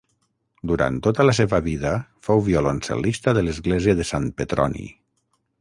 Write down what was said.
Durant tota la seva vida fou violoncel·lista de l'església de sant Petroni.